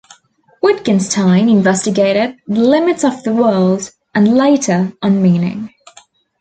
Wittgenstein investigated the "limits of the world" and later on meaning.